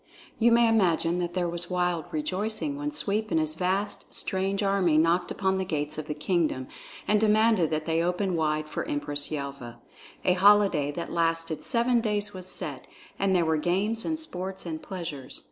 You may imagine that there was wild rejoicing when Sweep and his vast strange army knocked upon the gates of the kingdom and demanded that they open wide for Empress Yelva. A holiday that lasted seven days was set, and there were games and sports and pleasures.